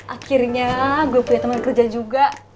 akhirnya gue punya teman kerja juga